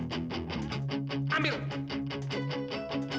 tapi aku sudah bisa memastikan adverse anda